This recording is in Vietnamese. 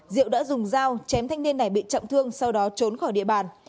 diệu đã dùng dao chém thanh niên này bị trọng thương sau đó trốn khỏi địa bàn